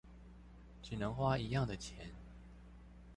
只能花一樣的錢